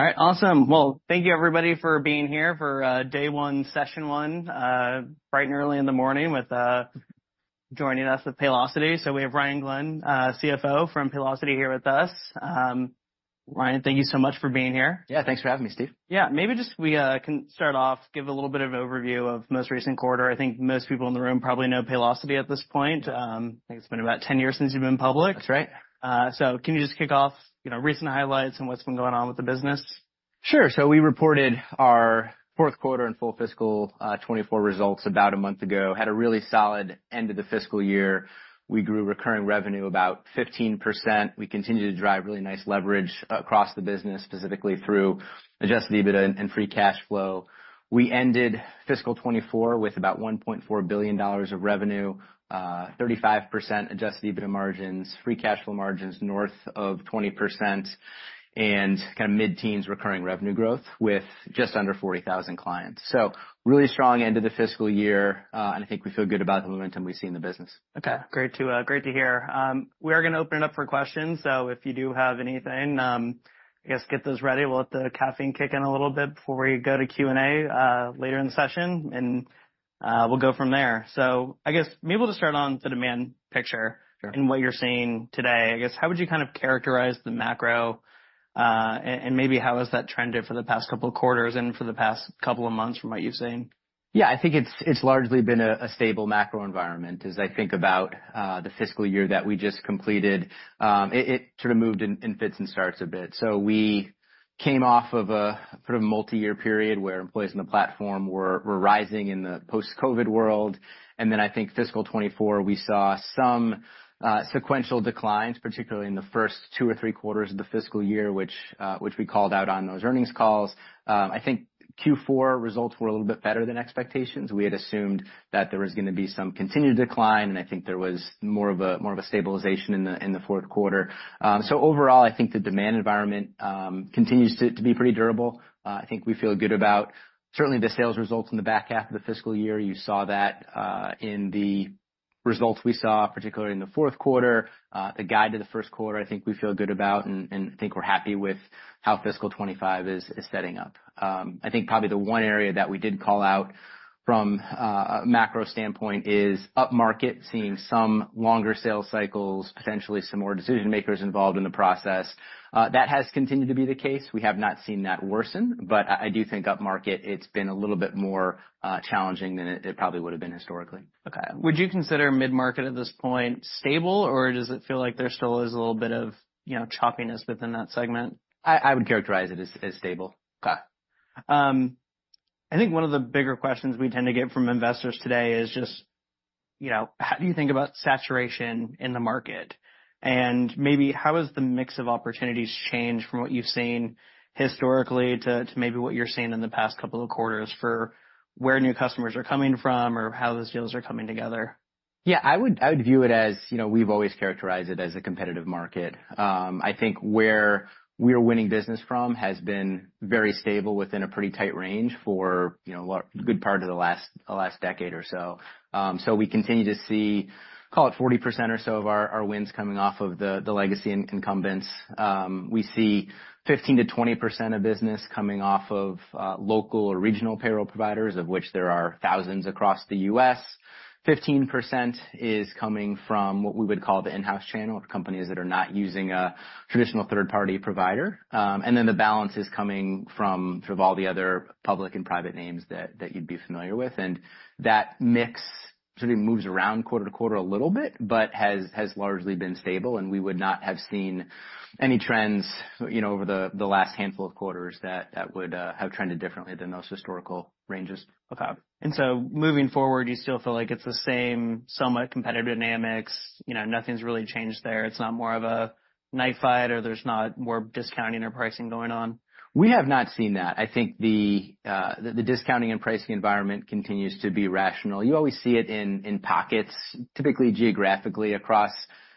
All right, awesome. Well, thank you, everybody, for being here for day one, session one, bright and early in the morning with joining us with Paylocity. So we have Ryan Glenn, CFO from Paylocity, here with us. Ryan, thank you so much for being here. Yeah, thanks for having me, Steve. Yeah, maybe we can just start off by giving a little bit of an overview of the most recent quarter. I think most people in the room probably know Paylocity at this point. I think it's been about 10 years since you've been public. That's right. So can you just kick off, you know, recent highlights and what's been going on with the business? Sure. So we reported our fourth quarter and full fiscal 2024 results about a month ago, had a really solid end of the fiscal year. We grew recurring revenue about 15%. We continued to drive really nice leverage across the business, specifically through Adjusted EBITDA and Free Cash Flow. We ended fiscal 2024 with about $1.4 billion of revenue, 35% Adjusted EBITDA margins, Free Cash Flow margins north of 20%, and kind of mid-teens recurring revenue growth with just under 40,000 clients. So really strong end of the fiscal year, and I think we feel good about the momentum we've seen in the business. Okay, great to, great to hear. We are gonna open it up for questions. So if you do have anything, I guess get those ready. We'll let the caffeine kick in a little bit before we go to Q&A, later in the session, and, we'll go from there. So I guess maybe we'll just start on the demand picture and what you're seeing today. I guess, how would you kind of characterize the macro, and, and maybe how has that trended for the past couple of quarters and for the past couple of months from what you've seen? Yeah, I think it's largely been a stable macro environment as I think about the fiscal year that we just completed. It sort of moved in fits and starts a bit. So we came off of a sort of multi-year period where employees in the platform were rising in the post-COVID world, and then I think fiscal 2024, we saw some sequential declines, particularly in the first two or three quarters of the fiscal year, which we called out on those earnings calls. I think Q4 results were a little bit better than expectations. We had assumed that there was gonna be some continued decline, and I think there was more of a stabilization in the fourth quarter, so overall, I think the demand environment continues to be pretty durable. I think we feel good about certainly the sales results in the back half of the fiscal year. You saw that, in the results we saw, particularly in the fourth quarter, the guide to the first quarter. I think we feel good about, and I think we're happy with how fiscal 2025 is setting up. I think probably the one area that we did call out from, a macro standpoint is Up Market, seeing some longer sales cycles, potentially some more decision makers involved in the process. That has continued to be the case. We have not seen that worsen, but I do think Up Market, it's been a little bit more challenging than it probably would've been historically. Okay. Would you consider mid-market at this point stable, or does it feel like there still is a little bit of, you know, choppiness within that segment? I would characterize it as stable. Okay. I think one of the bigger questions we tend to get from investors today is just, you know, how do you think about saturation in the market? And maybe how has the mix of opportunities changed from what you've seen historically to maybe what you're seeing in the past couple of quarters for where new customers are coming from or how those deals are coming together? Yeah, I would view it as, you know, we've always characterized it as a competitive market. I think where we are winning business from has been very stable within a pretty tight range for, you know, a good part of the last decade or so. So we continue to see, call it 40% or so of our wins coming off of the legacy incumbents. We see 15%-20% of business coming off of local or regional payroll providers, of which there are thousands across the U.S. 15% is coming from what we would call the in-house channel, companies that are not using a traditional third-party provider. And then the balance is coming from, sort of all the other public and private names that you'd be familiar with. And that mix sort of moves around quarter to quarter a little bit, but has largely been stable. And we would not have seen any trends, you know, over the last handful of quarters that would have trended differently than those historical ranges. Okay. And so moving forward, you still feel like it's the same, somewhat competitive dynamics, you know, nothing's really changed there. It's not more of a knife fight or there's not more discounting or pricing going on? We have not seen that. I think the discounting and pricing environment continues to be rational. You always see it in pockets, typically geographically across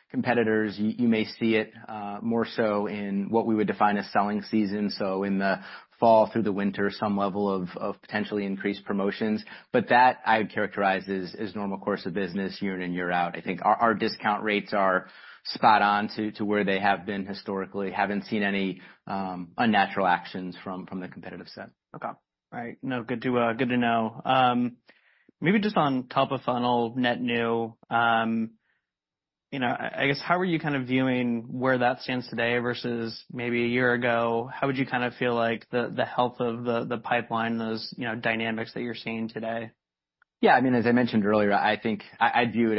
competitors. You may see it more so in what we would define as selling season. So in the fall through the winter, some level of potentially increased promotions. But that I would characterize as normal course of business year in and year out. I think our discount rates are spot on to where they have been historically. Haven't seen any unnatural actions from the competitive side. Okay. All right. No, good to know. Maybe just on top of funnel, net new, you know, I guess how are you kind of viewing where that stands today versus maybe a year ago? How would you kind of feel like the health of the pipeline, those, you know, dynamics that you're seeing today? Yeah, I mean, as I mentioned earlier, I think I view it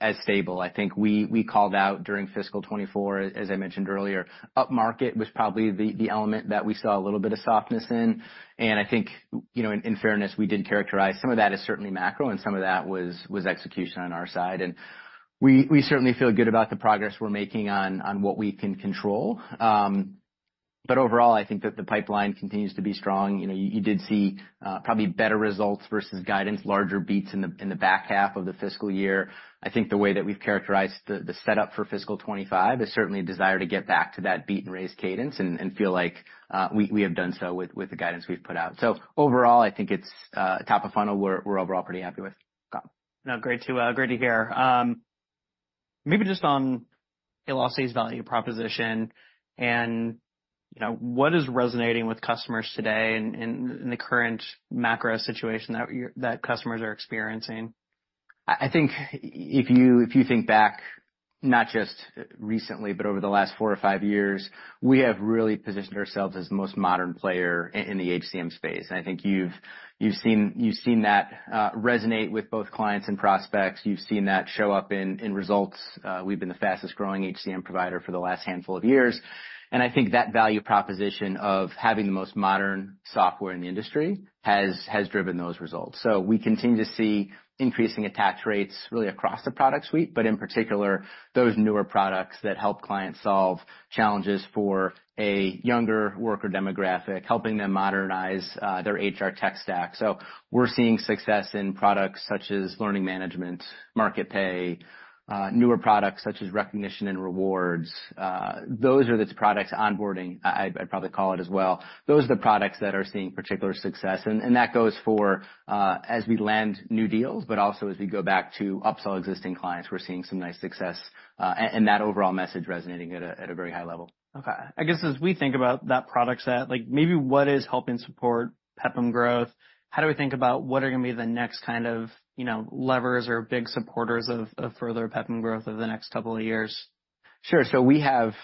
as stable. I think we called out during fiscal 2024, as I mentioned earlier, Up Market was probably the element that we saw a little bit of softness in. And I think, you know, in fairness, we did characterize some of that as certainly macro and some of that was execution on our side. And we certainly feel good about the progress we're making on what we can control. But overall, I think that the pipeline continues to be strong. You know, you did see probably better results versus guidance, larger beats in the back half of the fiscal year. I think the way that we've characterized the setup for fiscal 2025 is certainly a desire to get back to that beat and raise cadence and feel like we have done so with the guidance we've put out. So overall, I think it's top of funnel we're overall pretty happy with. Okay. No, great to hear. Maybe just on Paylocity's value proposition and, you know, what is resonating with customers today and in the current macro situation that customers are experiencing? I think if you think back, not just recently, but over the last four or five years, we have really positioned ourselves as the most modern player in the HCM space. I think you've seen that resonate with both clients and prospects. You've seen that show up in results. We've been the fastest growing HCM provider for the last handful of years. I think that value proposition of having the most modern software in the industry has driven those results, so we continue to see increasing attach rates really across the product suite, but in particular, those newer products that help clients solve challenges for a younger worker demographic, helping them modernize their HR tech stack, so we're seeing success in products such as Learning Management, Market Pay, newer products such as Recognition and Rewards. Those are the products Onboarding. I'd probably call it as well. Those are the products that are seeing particular success, and that goes for, as we land new deals, but also as we go back to upsell existing clients. We're seeing some nice success, and that overall message resonating at a very high level. Okay. I guess as we think about that product set, like maybe what is helping support PEPM growth, how do we think about what are gonna be the next kind of, you know, levers or big supporters of, of further PEPM growth over the next couple of years? Sure. So we have, if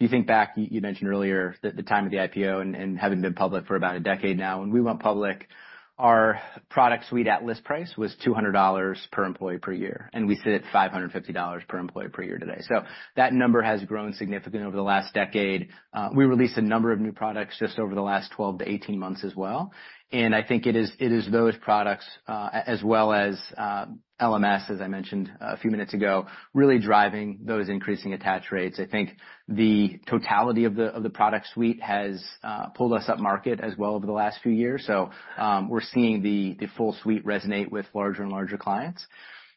you think back, you mentioned earlier that the time of the IPO and having been public for about a decade now, when we went public, our product suite at list price was $200 per employee per year, and we sit at $550 per employee per year today. So that number has grown significantly over the last decade. We released a number of new products just over the last 12-18 months as well. And I think it is those products, as well as LMS, as I mentioned a few minutes ago, really driving those increasing attach rates. I think the totality of the product suite has pulled us Up Market as well over the last few years. So, we're seeing the full suite resonate with larger and larger clients.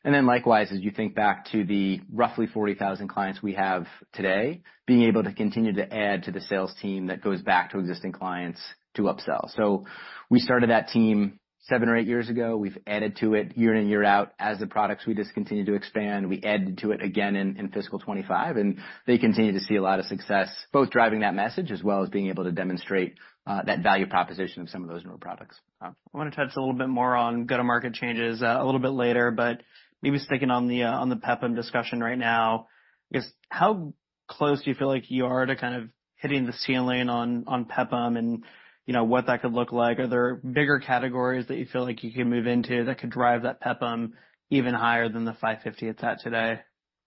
And then likewise, as you think back to the roughly 40,000 clients we have today, being able to continue to add to the sales team that goes back to existing clients to upsell. So we started that team seven or eight years ago. We've added to it year in and year out as the product suite has continued to expand. We added to it again in fiscal 2025, and they continue to see a lot of success, both driving that message as well as being able to demonstrate that value proposition of some of those newer products. I wanna touch a little bit more on go-to-market changes, a little bit later, but maybe sticking on the, on the PEPM discussion right now, I guess how close do you feel like you are to kind of hitting the ceiling on, on PEPM and, you know, what that could look like? Are there bigger categories that you feel like you can move into that could drive that PEPM even higher than the $550 it's at today?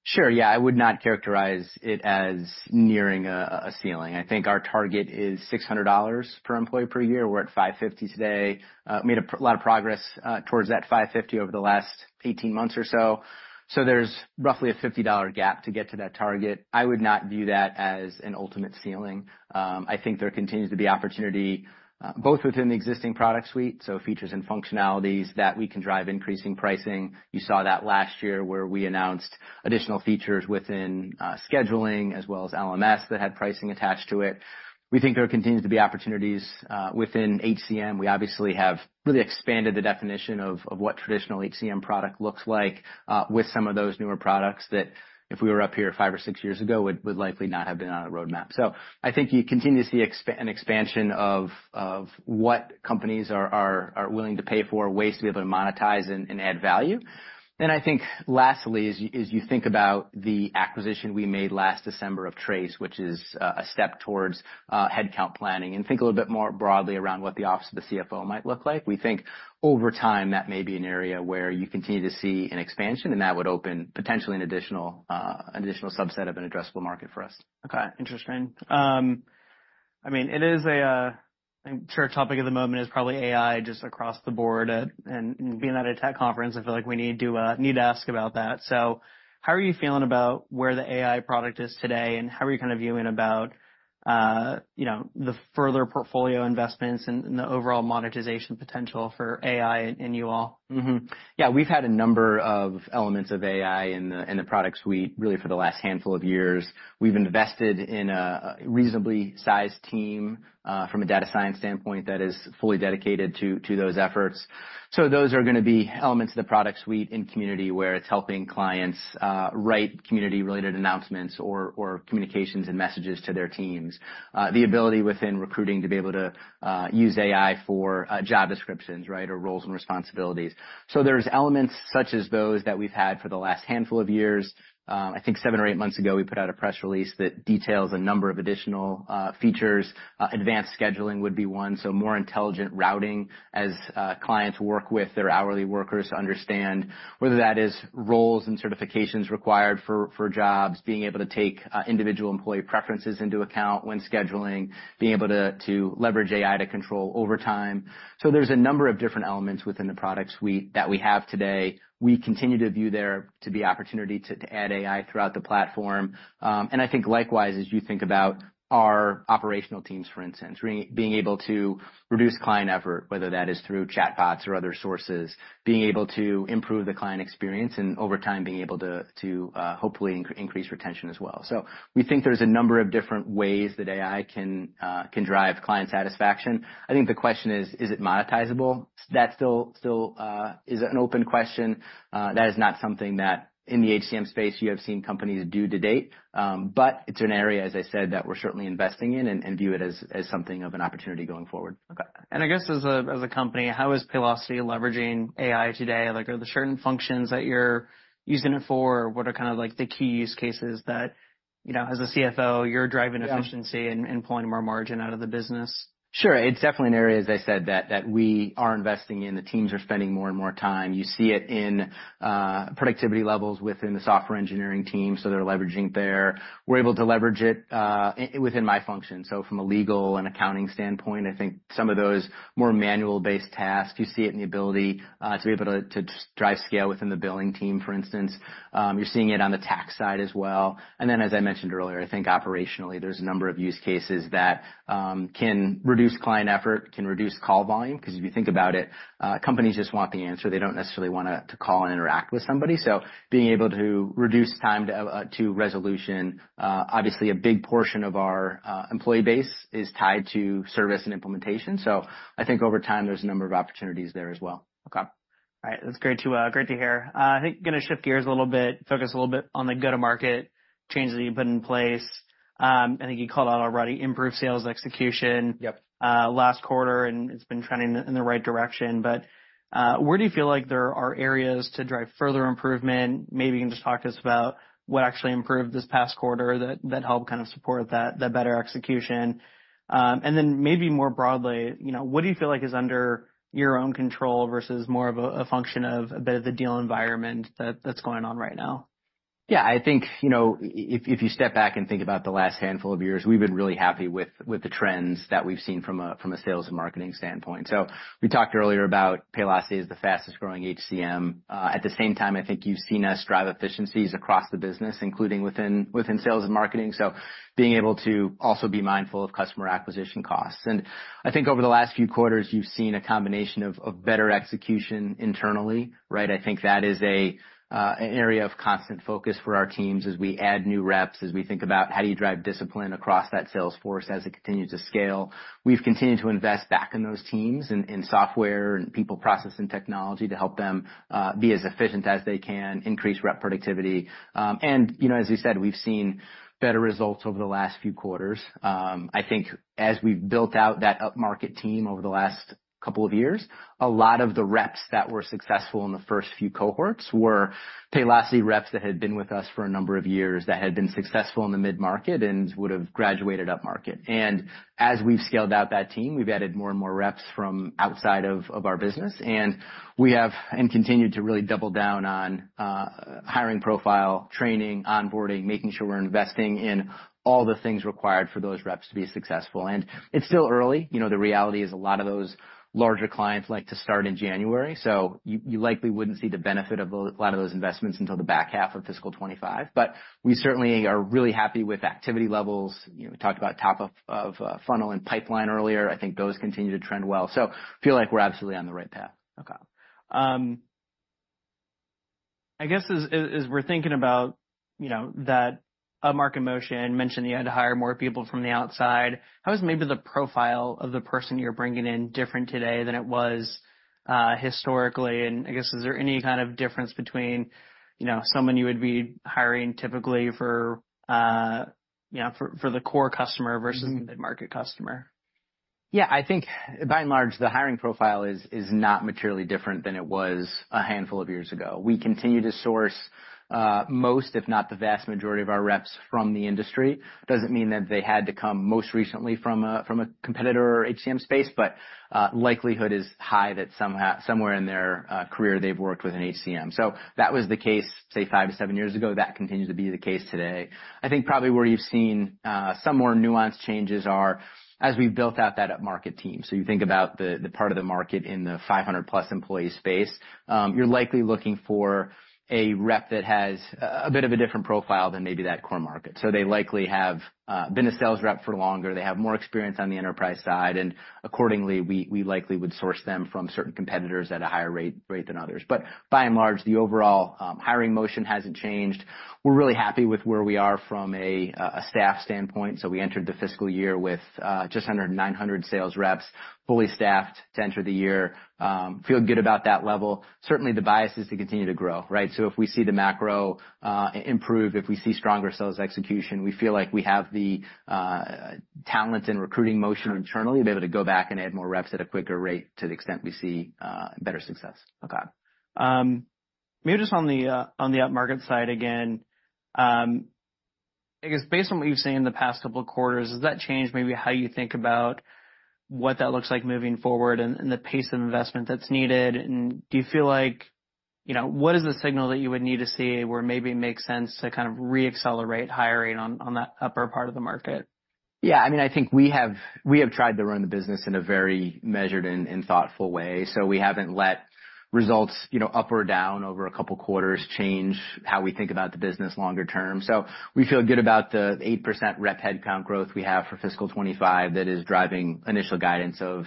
Sure. Yeah. I would not characterize it as nearing a ceiling. I think our target is $600 per employee per year. We're at $550 today. We made a lot of progress towards that $550 over the last 18 months or so. So there's roughly a $50 gap to get to that target. I would not view that as an ultimate ceiling. I think there continues to be opportunity both within the existing product suite, so features and functionalities that we can drive increasing pricing. You saw that last year where we announced additional features within scheduling as well as LMS that had pricing attached to it. We think there continues to be opportunities within HCM. We obviously have really expanded the definition of what traditional HCM product looks like, with some of those newer products that if we were up here five or six years ago, would likely not have been on a roadmap. So I think you continue to see expansion of what companies are willing to pay for ways to be able to monetize and add value, and I think lastly, as you think about the acquisition we made last December of Trace, which is a step towards headcount planning and think a little bit more broadly around what the Office of the CFO might look like. We think over time that may be an area where you continue to see an expansion and that would open potentially an additional subset of an addressable market for us. Okay. Interesting. I mean, it is, I'm sure, a topic of the moment is probably AI just across the board. And being at a tech conference, I feel like we need to ask about that. So how are you feeling about where the AI product is today and how are you kind of viewing about, you know, the further portfolio investments and the overall monetization potential for AI in you all? Mm-hmm. Yeah. We've had a number of elements of AI in the product suite really for the last handful of years. We've invested in a reasonably sized team, from a data science standpoint that is fully dedicated to those efforts. So those are gonna be elements of the product suite in Community where it's helping clients write community-related announcements or communications and messages to their teams. The ability within Recruiting to be able to use AI for job descriptions, right, or roles and responsibilities. So there's elements such as those that we've had for the last handful of years. I think seven or eight months ago we put out a press release that details a number of additional features. Advanced Scheduling would be one. So more intelligent routing as clients work with their hourly workers to understand whether that is roles and certifications required for jobs, being able to take individual employee preferences into account when scheduling, being able to leverage AI to control over time. So there's a number of different elements within the product suite that we have today. We continue to view there to be opportunity to add AI throughout the platform. And I think likewise, as you think about our operational teams, for instance, being able to reduce client effort, whether that is through chatbots or other sources, being able to improve the client experience and over time being able to hopefully increase retention as well. So we think there's a number of different ways that AI can drive client satisfaction. I think the question is, is it monetizable? That still is an open question. That is not something that in the HCM space you have seen companies do to date, but it's an area, as I said, that we're certainly investing in and view it as something of an opportunity going forward. Okay. And I guess as a company, how is Paylocity leveraging AI today? Like, are there certain functions that you're using it for? What are kind of like the key use cases that, you know, as a CFO, you're driving efficiency and pulling more margin out of the business? Sure. It's definitely an area, as I said, that we are investing in. The teams are spending more and more time. You see it in productivity levels within the software engineering team. So they're leveraging there. We're able to leverage it within my function. So from a legal and accounting standpoint, I think some of those more manual-based tasks. You see it in the ability to be able to drive scale within the billing team, for instance. You're seeing it on the tax side as well. And then, as I mentioned earlier, I think operationally there's a number of use cases that can reduce client effort, can reduce call volume. 'Cause if you think about it, companies just want the answer. They don't necessarily wanna call and interact with somebody. So being able to reduce time to resolution, obviously a big portion of our employee base is tied to service and implementation. So I think over time there's a number of opportunities there as well. Okay. All right. That's great to, great to hear. I think gonna shift gears a little bit, focus a little bit on the go-to-market changes that you put in place. I think you called out already improved sales execution. Yep. Last quarter, and it's been trending in the right direction. But, where do you feel like there are areas to drive further improvement? Maybe you can just talk to us about what actually improved this past quarter that helped kind of support that better execution. And then maybe more broadly, you know, what do you feel like is under your own control versus more of a function of a bit of the deal environment that's going on right now? Yeah, I think, you know, if you step back and think about the last handful of years, we've been really happy with the trends that we've seen from a sales and marketing standpoint. So we talked earlier about Paylocity as the fastest growing HCM. At the same time, I think you've seen us drive efficiencies across the business, including within sales and marketing. So being able to also be mindful of customer acquisition costs, and I think over the last few quarters, you've seen a combination of better execution internally, right? I think that is an area of constant focus for our teams as we add new reps, as we think about how do you drive discipline across that salesforce as it continues to scale. We've continued to invest back in those teams and software and people processing technology to help them be as efficient as they can, increase rep productivity, and you know, as you said, we've seen better results over the last few quarters. I think as we've built out that Up Market team over the last couple of years, a lot of the reps that were successful in the first few cohorts were Paylocity reps that had been with us for a number of years that had been successful in the mid-market and would've graduated Up Market, and as we've scaled out that team, we've added more and more reps from outside of our business, and we have and continue to really double down on hiring profile, training, onboarding, making sure we're investing in all the things required for those reps to be successful, and it's still early. You know, the reality is a lot of those larger clients like to start in January. So you likely wouldn't see the benefit of a lot of those investments until the back half of fiscal 2025. But we certainly are really happy with activity levels. You know, we talked about top of funnel and pipeline earlier. I think those continue to trend well. So I feel like we're absolutely on the right path. Okay. I guess as we're thinking about, you know, that upmarket motion and mentioned you had to hire more people from the outside, how is maybe the profile of the person you're bringing in different today than it was, historically? And I guess, is there any kind of difference between, you know, someone you would be hiring typically for, you know, for the core customer versus the mid-market customer? Yeah, I think by and large the hiring profile is not materially different than it was a handful of years ago. We continue to source most, if not the vast majority of our reps from the industry. Doesn't mean that they had to come most recently from a competitor or HCM space, but likelihood is high that somehow, somewhere in their career they've worked with an HCM. So that was the case, say, five to seven years ago. That continues to be the case today. I think probably where you've seen some more nuanced changes are as we've built out that up-market team. So you think about the part of the market in the 500+ employee space, you're likely looking for a rep that has a bit of a different profile than maybe that core market. So they likely have been a sales rep for longer. They have more experience on the enterprise side. And accordingly, we likely would source them from certain competitors at a higher rate than others. But by and large, the overall hiring motion hasn't changed. We're really happy with where we are from a staff standpoint. So we entered the fiscal year with just under 900 sales reps, fully staffed to enter the year. We feel good about that level. Certainly the bias is to continue to grow, right? So if we see the macro improve, if we see stronger sales execution, we feel like we have the talent and recruiting motion internally to be able to go back and add more reps at a quicker rate to the extent we see better success. Okay. Maybe just on the, on the Up Market side again, I guess based on what you've seen in the past couple of quarters, has that changed maybe how you think about what that looks like moving forward and, and the pace of investment that's needed? And do you feel like, you know, what is the signal that you would need to see where maybe it makes sense to kind of re-accelerate hiring on, on that upper part of the market? Yeah. I mean, I think we have tried to run the business in a very measured and thoughtful way. So we haven't let results, you know, up or down over a couple quarters change how we think about the business longer term. So we feel good about the 8% rep headcount growth we have for fiscal 2025 that is driving initial guidance of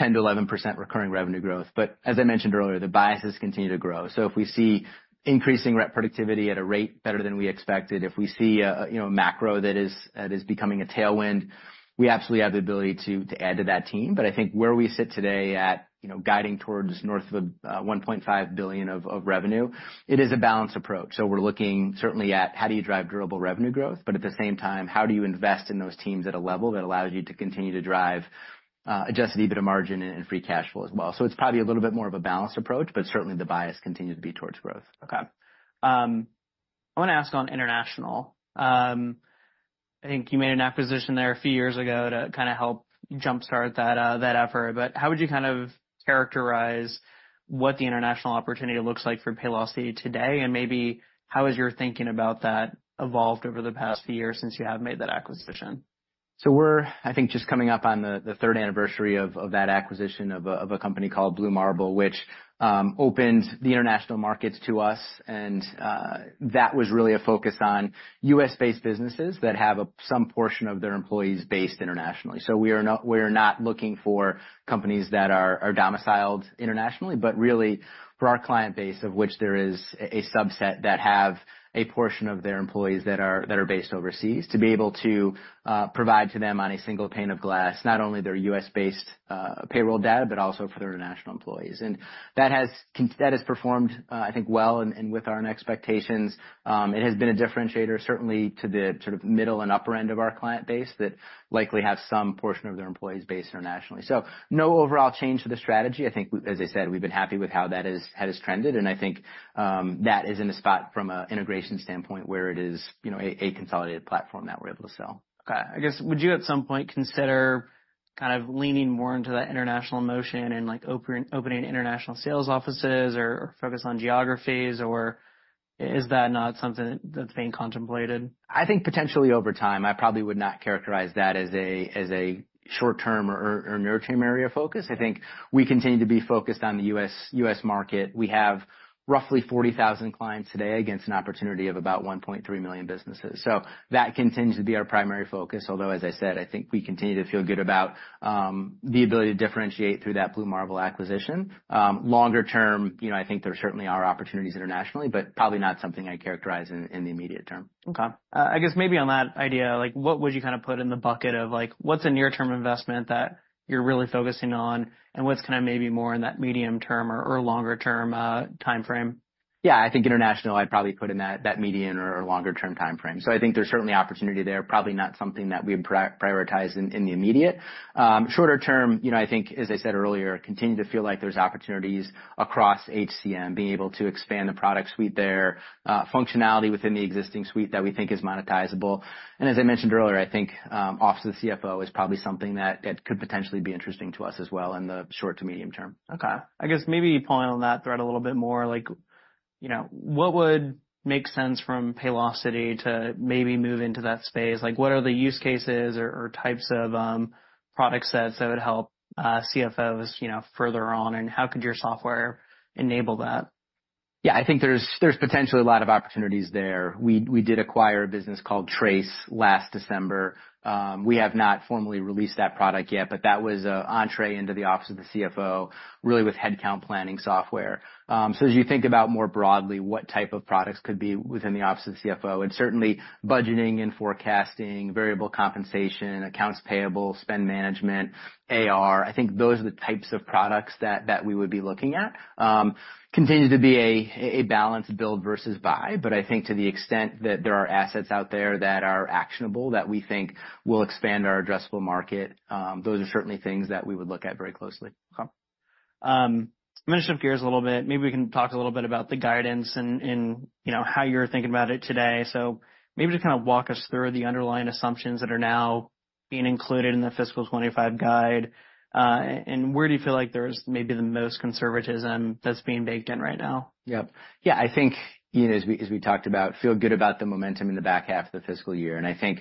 10%-11% recurring revenue growth. But as I mentioned earlier, the pipelines continue to grow. So if we see increasing rep productivity at a rate better than we expected, if we see a, you know, macro that is becoming a tailwind, we absolutely have the ability to add to that team. But I think where we sit today at, you know, guiding towards north of $1.5 billion of revenue, it is a balanced approach. We're looking certainly at how do you drive durable revenue growth, but at the same time, how do you invest in those teams at a level that allows you to continue to drive Adjusted EBITDA margin and Free Cash Flow as well. It's probably a little bit more of a balanced approach, but certainly the bias continues to be towards growth. Okay. I wanna ask on international. I think you made an acquisition there a few years ago to kind of help jumpstart that, that effort. But how would you kind of characterize what the international opportunity looks like for Paylocity today? And maybe how has your thinking about that evolved over the past few years since you have made that acquisition? We're, I think, just coming up on the third anniversary of that acquisition of a company called Blue Marble, which opened the international markets to us. That was really a focus on U.S.-based businesses that have some portion of their employees based internationally. We are not looking for companies that are domiciled internationally, but really for our client base, of which there is a subset that have a portion of their employees that are based overseas to be able to provide to them on a single pane of glass, not only their U.S.-based payroll data, but also for their international employees. That has performed, I think, well and with our expectations. It has been a differentiator certainly to the sort of middle and upper end of our client base that likely have some portion of their employees based internationally, so no overall change to the strategy. I think we, as I said, we've been happy with how that is, how it has trended, and I think that is in a spot from an integration standpoint where it is, you know, a consolidated platform that we're able to sell. Okay. I guess, would you at some point consider kind of leaning more into that international motion and like opening international sales offices or focus on geographies? Or is that not something that's being contemplated? I think potentially over time, I probably would not characterize that as a short-term or near-term area of focus. I think we continue to be focused on the U.S. market. We have roughly 40,000 clients today against an opportunity of about 1.3 million businesses. So that continues to be our primary focus. Although, as I said, I think we continue to feel good about the ability to differentiate through that Blue Marble acquisition. Longer term, you know, I think there certainly are opportunities internationally, but probably not something I'd characterize in the immediate term. Okay. I guess maybe on that idea, like what would you kind of put in the bucket of like what's a near-term investment that you're really focusing on and what's kind of maybe more in that medium term or, or longer term, timeframe? Yeah, I think international I'd probably put in that median or longer term timeframe. So I think there's certainly opportunity there. Probably not something that we prioritize in the immediate shorter term, you know. I think, as I said earlier, continue to feel like there's opportunities across HCM, being able to expand the product suite there, functionality within the existing suite that we think is monetizable. And as I mentioned earlier, I think Office of the CFO is probably something that could potentially be interesting to us as well in the short to medium term. Okay. I guess maybe pulling on that thread a little bit more, like, you know, what would make sense from Paylocity to maybe move into that space? Like what are the use cases or types of product sets that would help CFOs, you know, further on? And how could your software enable that? Yeah, I think there's potentially a lot of opportunities there. We did acquire a business called Trace last December. We have not formally released that product yet, but that was an entree into the Office of the CFO really with headcount planning software. So as you think about more broadly, what type of products could be within the Office of the CFO, and certainly budgeting and forecasting, variable compensation, accounts payable, spend management, AR, I think those are the types of products that we would be looking at. It continues to be a balance build versus buy. But I think to the extent that there are assets out there that are actionable that we think will expand our addressable market, those are certainly things that we would look at very closely. Okay. I'm gonna shift gears a little bit. Maybe we can talk a little bit about the guidance and, you know, how you're thinking about it today. So maybe just kind of walk us through the underlying assumptions that are now being included in the fiscal 2025 guide, and where do you feel like there's maybe the most conservatism that's being baked in right now? Yep. Yeah, I think, you know, as we, as we talked about, feel good about the momentum in the back half of the fiscal year, and I think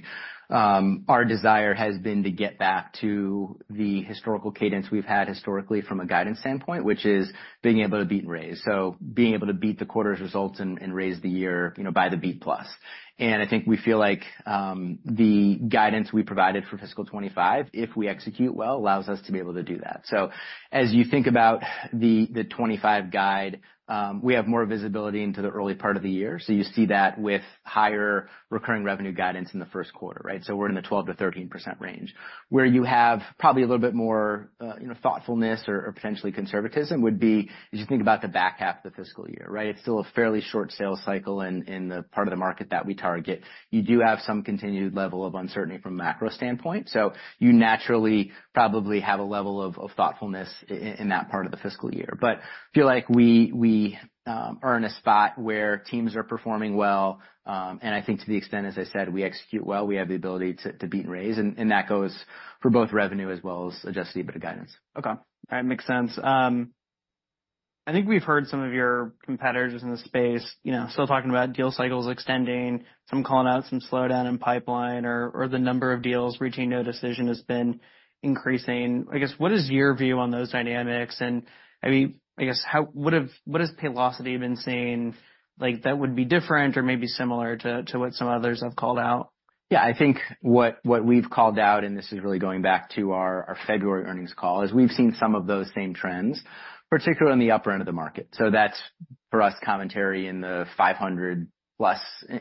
our desire has been to get back to the historical cadence we've had historically from a guidance standpoint, which is being able to beat and raise, so being able to beat the quarter's results and raise the year, you know, by the beat plus, and I think we feel like the guidance we provided for fiscal 2025, if we execute well, allows us to be able to do that, so as you think about the 25 guide, we have more visibility into the early part of the year, so you see that with higher recurring revenue guidance in the first quarter, right? So we're in the 12%-13% range where you have probably a little bit more, you know, thoughtfulness or potentially conservatism would be as you think about the back half of the fiscal year, right? It's still a fairly short sales cycle in the part of the market that we target. You do have some continued level of uncertainty from a macro standpoint. So you naturally probably have a level of thoughtfulness in that part of the fiscal year. But feel like we are in a spot where teams are performing well. And I think to the extent, as I said, we execute well, we have the ability to beat and raise. And that goes for both revenue as well as Adjusted EBITDA guidance. Okay. That makes sense. I think we've heard some of your competitors in the space, you know, still talking about deal cycles extending, some calling out some slowdown in pipeline or the number of deals reaching no decision has been increasing. I guess, what is your view on those dynamics? And I mean, I guess how what has Paylocity been seeing like that would be different or maybe similar to what some others have called out? Yeah, I think what we've called out, and this is really going back to our February earnings call, is we've seen some of those same trends, particularly on the upper end of the market. So that's for us commentary in the 500+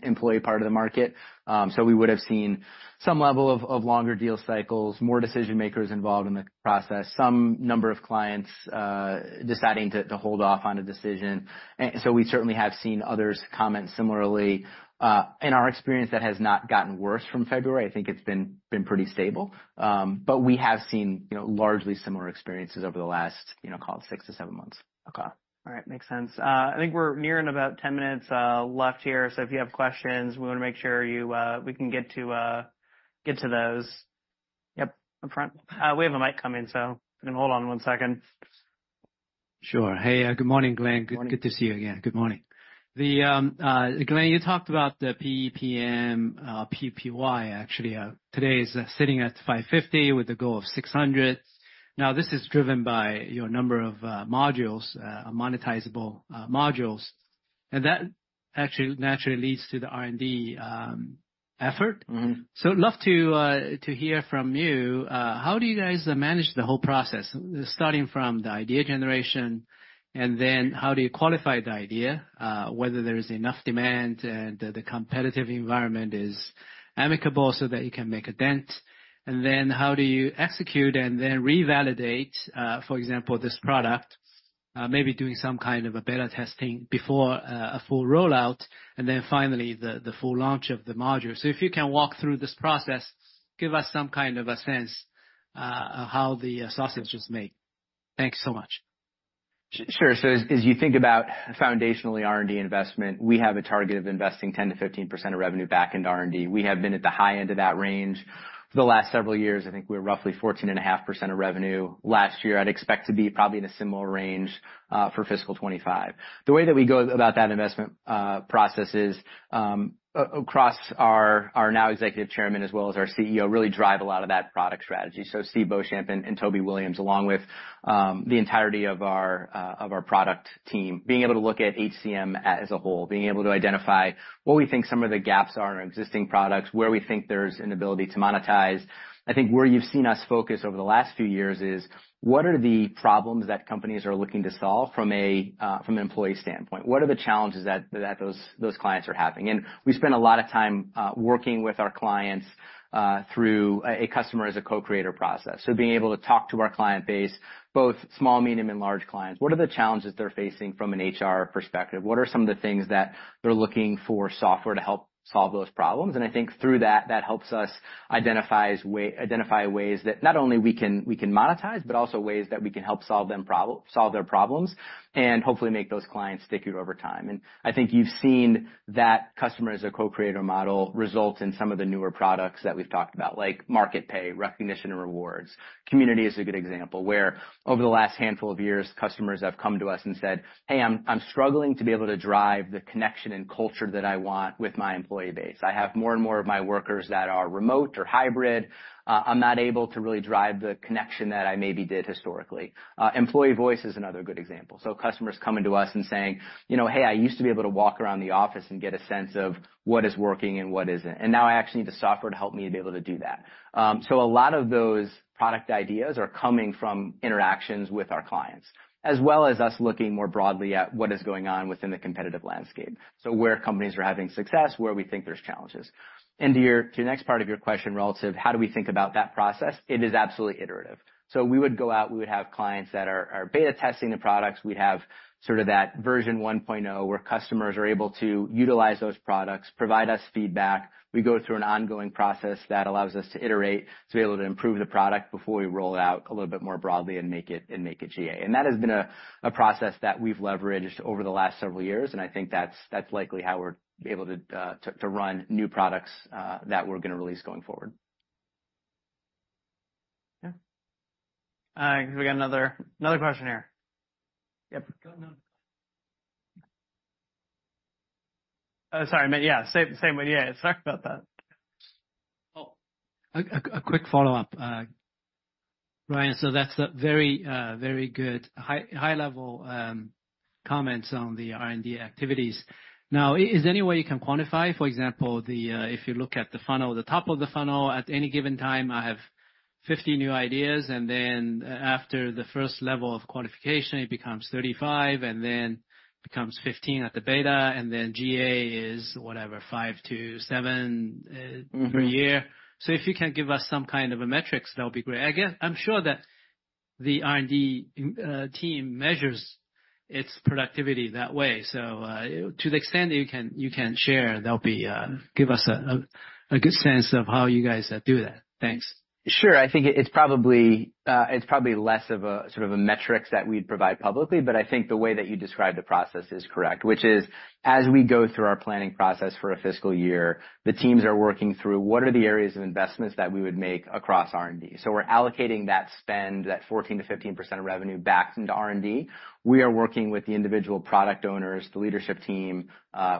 employee part of the market. We would've seen some level of longer deal cycles, more decision makers involved in the process, some number of clients deciding to hold off on a decision. And so we certainly have seen others comment similarly. In our experience, that has not gotten worse from February. I think it's been pretty stable. But we have seen, you know, largely similar experiences over the last, you know, call it six to seven months. Okay. All right. Makes sense. I think we're nearing about 10 minutes left here. So if you have questions, we wanna make sure we can get to those. Yep. Up front. We have a mic coming, so I'm gonna hold on one second. Sure. Hey, good morning, Glenn. Good, good to see you again. Good morning. The, Glenn, you talked about the PEPM, PPY actually, today is sitting at 550 with a goal of 600. Now this is driven by your number of, modules, monetizable, modules. And that actually naturally leads to the R&D, effort. So love to, to hear from you, how do you guys manage the whole process starting from the idea generation and then how do you qualify the idea, whether there is enough demand and the competitive environment is amicable so that you can make a dent? And then how do you execute and then revalidate, for example, this product, maybe doing some kind of a beta testing before, a full rollout and then finally the, the full launch of the module? So if you can walk through this process, give us some kind of a sense of how the sausage is made. Thanks so much. Sure. So as you think about foundationally R&D investment, we have a target of investing 10%-15% of revenue back into R&D. We have been at the high end of that range for the last several years. I think we were roughly 14.5% of revenue last year. I'd expect to be probably in a similar range for fiscal 2025. The way that we go about that investment process is across our now Executive Chairman as well as our CEO. They really drive a lot of that product strategy. So Steve Beauchamp and Toby Williams, along with the entirety of our product team, being able to look at HCM as a whole, being able to identify what we think some of the gaps are in our existing products, where we think there's an ability to monetize. I think where you've seen us focus over the last few years is what are the problems that companies are looking to solve from an employee standpoint? What are the challenges that those clients are having? We spend a lot of time working with our clients through a Customer as a Co-Creator process. So being able to talk to our client base, both small, medium, and large clients, what are the challenges they're facing from an HR perspective? What are some of the things that they're looking for software to help solve those problems? I think through that, that helps us identify ways that not only we can monetize, but also ways that we can help solve their problems and hopefully make those clients stickier over time. And I think you've seen that Customer as a Co-Creator model result in some of the newer products that we've talked about, like Market Pay, Recognition and Rewards. Community is a good example where over the last handful of years, customers have come to us and said, "Hey, I'm struggling to be able to drive the connection and culture that I want with my employee base. I have more and more of my workers that are remote or hybrid. I'm not able to really drive the connection that I maybe did historically." Employee Voice is another good example. So customers coming to us and saying, you know, "Hey, I used to be able to walk around the office and get a sense of what is working and what isn't. And now I actually need the software to help me to be able to do that." So a lot of those product ideas are coming from interactions with our clients as well as us looking more broadly at what is going on within the competitive landscape. So where companies are having success, where we think there's challenges. And to your, to your next part of your question relative, how do we think about that process? It is absolutely iterative. So we would go out, we would have clients that are beta testing the products. We'd have sort of that version 1.0 where customers are able to utilize those products, provide us feedback. We go through an ongoing process that allows us to iterate to be able to improve the product before we roll it out a little bit more broadly and make it GA. And that has been a process that we've leveraged over the last several years. And I think that's likely how we're able to run new products that we're gonna release going forward. Yeah, we got another question here. Yep, sorry, man. Yeah, same one. Yeah, sorry about that. Oh, a quick follow-up, Ryan. So that's a very, very good, high, high level comments on the R&D activities. Now, is there any way you can quantify, for example, if you look at the funnel, the top of the funnel at any given time, I have 50 new ideas. And then after the first level of qualification, it becomes 35 and then becomes 15 at the beta. And then GA is whatever, five to seven per year. So if you can give us some kind of a metrics, that'll be great. I guess I'm sure that the R&D team measures its productivity that way. So, to the extent that you can, you can share, that'll be give us a good sense of how you guys do that. Thanks. Sure. I think it's probably less of a sort of a metrics that we'd provide publicly. But I think the way that you describe the process is correct, which is as we go through our planning process for a fiscal year, the teams are working through what are the areas of investments that we would make across R&D. So we're allocating that spend, that 14%-15% of revenue back into R&D. We are working with the individual product owners, the leadership team,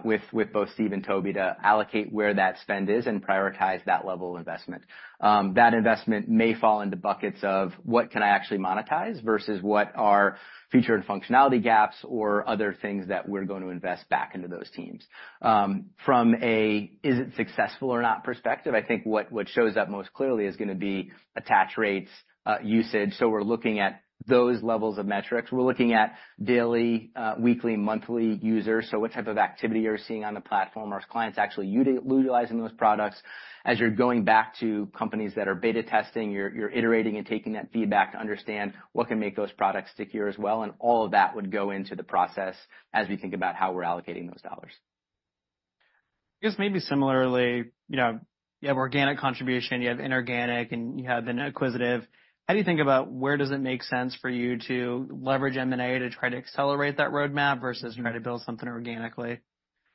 with both Steve and Toby to allocate where that spend is and prioritize that level of investment. That investment may fall into buckets of what can I actually monetize versus what are feature and functionality gaps or other things that we're gonna invest back into those teams. From an is it successful or not perspective, I think what shows up most clearly is gonna be attach rates, usage. So we're looking at those levels of metrics. We're looking at daily, weekly, monthly users. So what type of activity you're seeing on the platform, our clients actually utilizing those products as you're going back to companies that are beta testing, you're iterating and taking that feedback to understand what can make those products sticky as well. And all of that would go into the process as we think about how we're allocating those dollars. I guess maybe similarly, you know, you have organic contribution, you have inorganic, and you have an acquisitive. How do you think about where does it make sense for you to leverage M&A to try to accelerate that roadmap versus try to build something organically?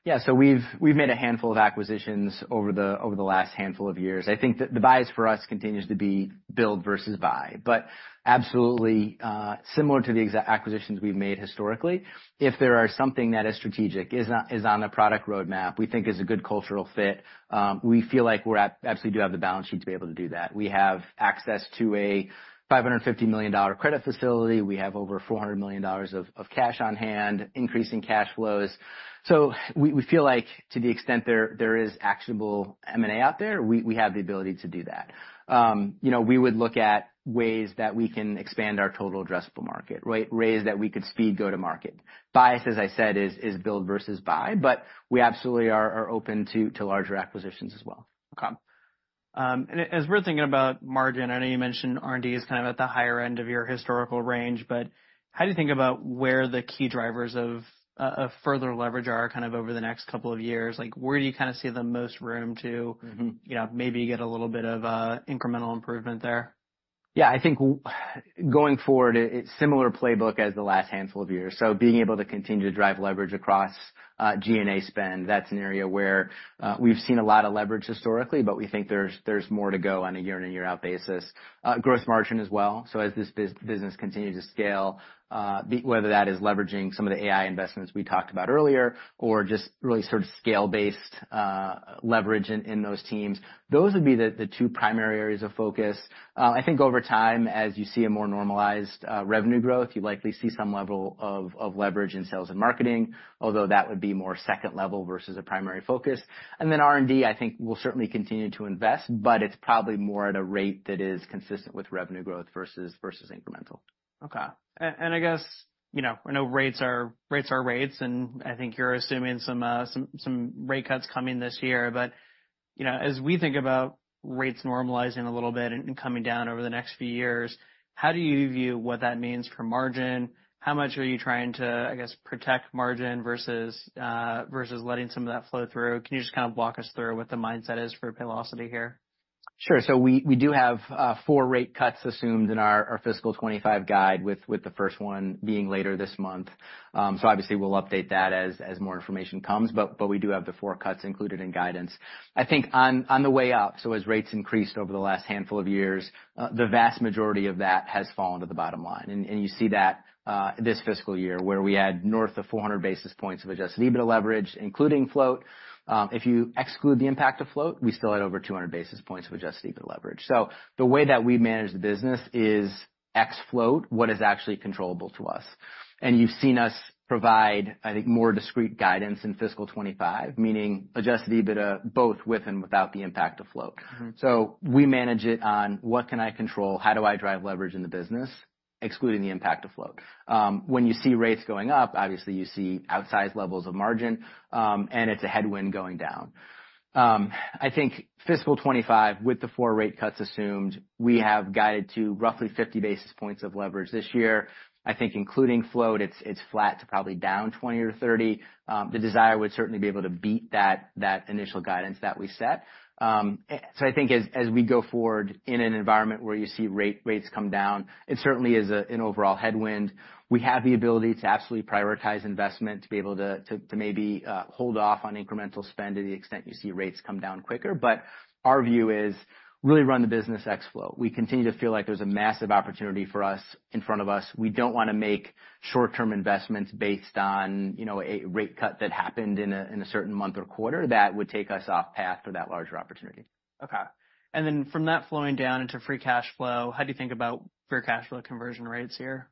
Yeah. So we've made a handful of acquisitions over the last handful of years. I think that the bias for us continues to be build versus buy, but absolutely, similar to the exact acquisitions we've made historically. If there is something that is strategic, is on the product roadmap, we think is a good cultural fit. We feel like we're absolutely do have the balance sheet to be able to do that. We have access to a $550 million credit facility. We have over $400 million of cash on hand, increasing cash flows. So we feel like to the extent there is actionable M&A out there, we have the ability to do that. You know, we would look at ways that we can expand our total addressable market, right? Our bias to speed go-to-market, as I said, is build versus buy, but we absolutely are open to larger acquisitions as well. Okay. And as we're thinking about margin, I know you mentioned R&D is kind of at the higher end of your historical range, but how do you think about where the key drivers of further leverage are kind of over the next couple of years? Like where do you kind of see the most room to, you know, maybe get a little bit of incremental improvement there? Yeah, I think going forward, it's a similar playbook as the last handful of years. So being able to continue to drive leverage across G&A spend, that's an area where we've seen a lot of leverage historically, but we think there's more to go on a year in and year out basis, gross margin as well. So as this business continues to scale, whether that is leveraging some of the AI investments we talked about earlier or just really sort of scale-based leverage in those teams, those would be the two primary areas of focus. I think over time, as you see a more normalized revenue growth, you likely see some level of leverage in sales and marketing, although that would be more second level versus a primary focus. Then R&D, I think we'll certainly continue to invest, but it's probably more at a rate that is consistent with revenue growth versus incremental. Okay. And I guess, you know, I know rates are rates, and I think you're assuming some rate cuts coming this year. But, you know, as we think about rates normalizing a little bit and coming down over the next few years, how do you view what that means for margin? How much are you trying to, I guess, protect margin versus letting some of that flow through? Can you just kind of walk us through what the mindset is for Paylocity here? Sure. So we do have four rate cuts assumed in our fiscal 2025 guide with the first one being later this month. So obviously we'll update that as more information comes, but we do have the four cuts included in guidance. I think on the way up, so as rates increased over the last handful of years, the vast majority of that has fallen to the bottom line. And you see that this fiscal year where we had north of 400 basis points of Adjusted EBITDA leverage, including float. If you exclude the impact of float, we still had over 200 basis points of Adjusted EBITDA leverage. So the way that we manage the business is ex float, what is actually controllable to us. You've seen us provide, I think, more discreet guidance in fiscal 2025, meaning adjusted EBITDA both with and without the impact of float. So we manage it on what I can control, how do I drive leverage in the business, excluding the impact of float. When you see rates going up, obviously you see outsized levels of margin, and it's a headwind going down. I think fiscal 2025 with the four rate cuts assumed, we have guided to roughly 50 basis points of leverage this year. I think including float, it's flat to probably down 20 or 30. The desire would certainly be able to beat that initial guidance that we set. I think as we go forward in an environment where you see rates come down, it certainly is an overall headwind. We have the ability to absolutely prioritize investment to be able to maybe hold off on incremental spend to the extent you see rates come down quicker. But our view is really run the business ex float. We continue to feel like there's a massive opportunity for us in front of us. We don't wanna make short-term investments based on, you know, a rate cut that happened in a certain month or quarter that would take us off path for that larger opportunity. Okay. And then from that flowing down into Free Cash Flow, how do you think about Free Cash Flow conversion rates here?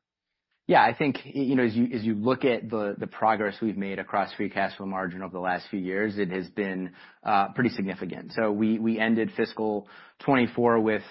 Yeah, I think, you know, as you look at the progress we've made across free cash flow margin over the last few years, it has been pretty significant. So we ended fiscal 2024 with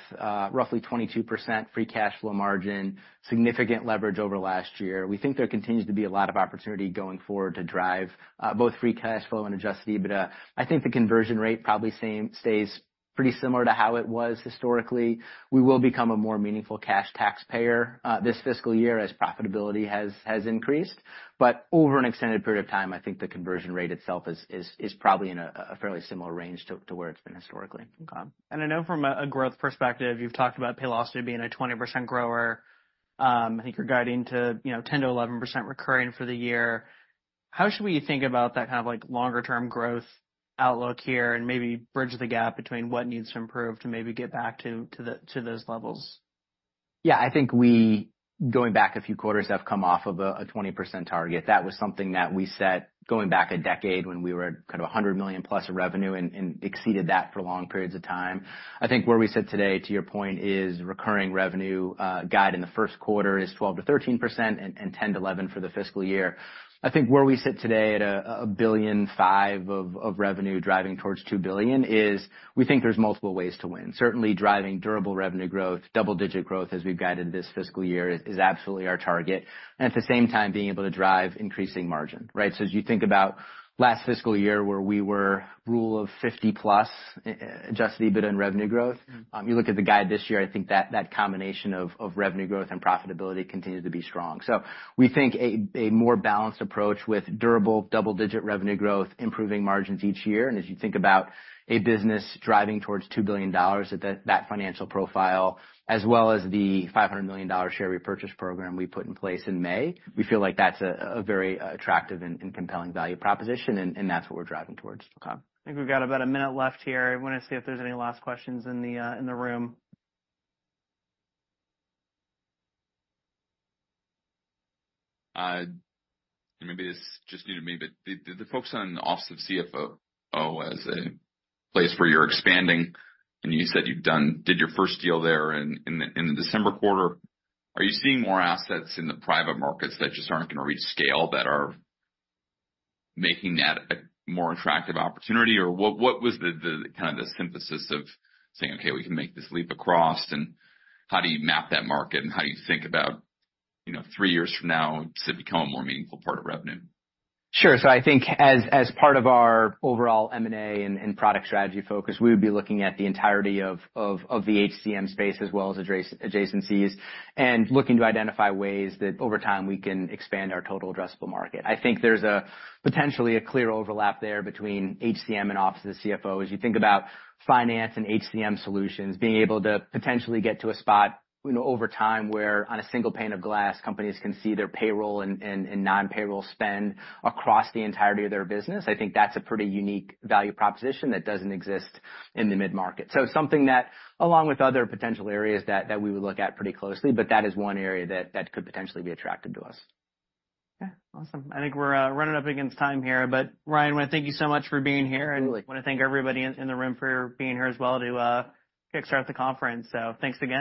roughly 22% free cash flow margin, significant leverage over last year. We think there continues to be a lot of opportunity going forward to drive both free cash flow and Adjusted EBITDA. I think the conversion rate probably stays pretty similar to how it was historically. We will become a more meaningful cash taxpayer this fiscal year as profitability has increased. But over an extended period of time, I think the conversion rate itself is probably in a fairly similar range to where it's been historically. Okay. And I know from a growth perspective, you've talked about Paylocity being a 20% grower. I think you're guiding to, you know, 10%-11% recurring for the year. How should we think about that kind of like longer-term growth outlook here and maybe bridge the gap between what needs to improve to maybe get back to, to those levels? Yeah, I think we, going back a few quarters, have come off of a 20% target. That was something that we set going back a decade when we were kind of 100 million+ of revenue and exceeded that for long periods of time. I think where we sit today, to your point, is recurring revenue guide in the first quarter is 12%-13% and 10%-11% for the fiscal year. I think where we sit today at 1.5 billion of revenue driving towards 2 billion is we think there's multiple ways to win. Certainly driving durable revenue growth, double digit growth as we've guided this fiscal year is absolutely our target. And at the same time, being able to drive increasing margin, right? So as you think about last fiscal year where we were Rule of 50+ Adjusted EBITDA and revenue growth, you look at the guide this year. I think that combination of revenue growth and profitability continues to be strong, so we think a more balanced approach with durable double digit revenue growth, improving margins each year, and as you think about a business driving towards $2 billion at that financial profile, as well as the $500 million share repurchase program we put in place in May, we feel like that's a very attractive and compelling value proposition, and that's what we're driving towards. Okay. I think we've got about a minute left here. I wanna see if there's any last questions in the room. And maybe this just needed me, but the focus on Office of the CFO as a place where you're expanding and you said you've done your first deal there in the December quarter. Are you seeing more assets in the private markets that just aren't gonna reach scale that are making that a more attractive opportunity or what was the kind of the synthesis of saying, okay, we can make this leap across and how do you map that market and how do you think about, you know, three years from now to become a more meaningful part of revenue? Sure. So I think as part of our overall M&A and product strategy focus, we would be looking at the entirety of the HCM space as well as adjacencies and looking to identify ways that over time we can expand our total addressable market. I think there's potentially a clear overlap there between HCM and Office of the CFO. As you think about finance and HCM solutions, being able to potentially get to a spot, you know, over time where on a single pane of glass, companies can see their payroll and non-payroll spend across the entirety of their business. I think that's a pretty unique value proposition that doesn't exist in the mid-market. So something that, along with other potential areas that we would look at pretty closely, but that is one area that could potentially be attractive to us. Okay. Awesome. I think we're running up against time here, but Ryan, I wanna thank you so much for being here and wanna thank everybody in the room for being here as well to kickstart the conference. So thanks again.